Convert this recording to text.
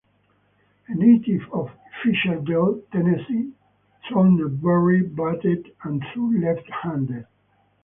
A native of Fisherville, Tennessee, Throneberry batted and threw left-handed.